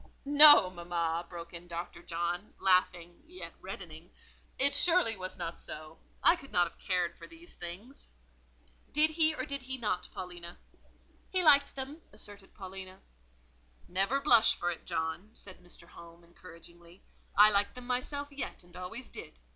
'" "No, mamma," broke in Dr. John, laughing, yet reddening; "it surely was not so: I could not have cared for these things." "Did he or did he not, Paulina?" "He liked them," asserted Paulina. "Never blush for it, John," said Mr. Home, encouragingly. "I like them myself yet, and always did.